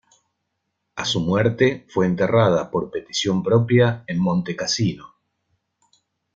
A su muerte, fue enterrada, por petición propia, en Montecassino.